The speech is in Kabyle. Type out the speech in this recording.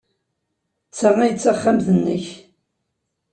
D ta ay d taxxamt-nnek?